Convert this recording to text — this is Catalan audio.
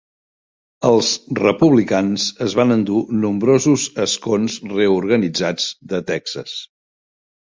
Els republicans es van endur nombrosos escons reorganitzats de Texas.